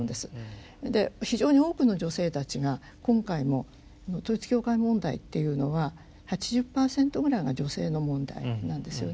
で非常に多くの女性たちが今回の統一教会問題っていうのは８０％ぐらいが女性の問題なんですよね。